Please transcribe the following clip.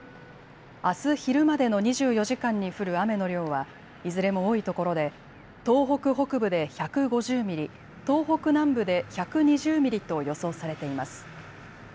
あす昼までの２４時間に降る雨の量はいずれも多いところで東北北部で１５０ミリ、東北南部で１２０ミリと予想されています。